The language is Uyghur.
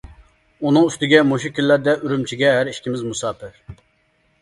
ئۇنىڭ ئۈستىگە مۇشۇ كۈنلەردە ئۈرۈمچىگە ھەر ئىككىمىز مۇساپىر.